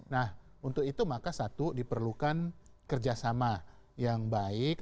nah untuk itu maka satu diperlukan kerjasama yang baik